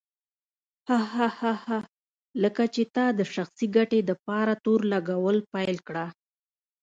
هه هه هه لکه چې تا د شخصي ګټې دپاره تور لګول پيل کړه.